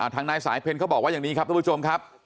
ทางนายสายเพลเขาบอกว่าอย่างนี้ครับทุกผู้ชมครับ